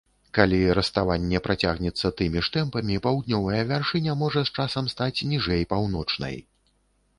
Калі раставанне працягнецца тымі ж тэмпамі, паўднёвая вяршыня можа з часам стаць ніжэй паўночнай.